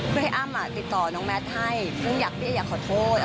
เพื่อให้อ้ำติดต่อน้องแมทให้ซึ่งพี่เอ๊อยากขอโทษ